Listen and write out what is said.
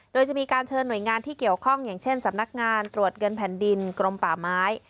โดยจะมีการเชิญหน่วยงานที่เกี่ยวข้องอย่างเช่นสำนักงานตรวจเงินแผ่นดินกรมป่าไม้